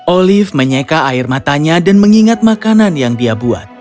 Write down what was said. olive menyeka air matanya dan mengingat makanan yang dia buat